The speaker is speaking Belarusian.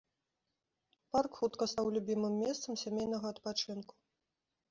Парк хутка стаў любімым месцам сямейнага адпачынку.